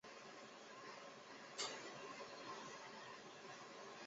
维基教科书中一部分书来自网路上已完成编写的内容开放的教科书。